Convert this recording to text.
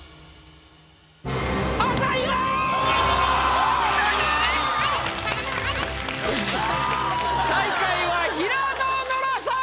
ほんとに⁉最下位は平野ノラさん！